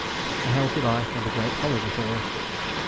A healthy life and a great holiday for us.